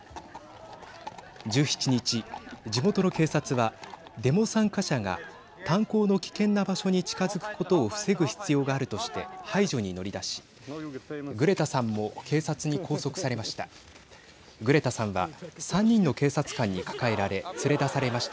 １７日、地元の警察はデモ参加者が炭鉱の危険な場所に近づくことを防ぐ必要があるとして排除に乗り出しグレタさんも警察に拘束されました。